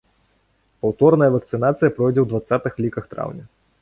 Паўторная вакцынацыя пройдзе ў дваццатых ліках траўня.